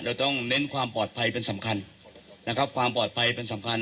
เราต้องเน้นความปลอดภัยเป็นสำคัญนะครับความปลอดภัยเป็นสำคัญ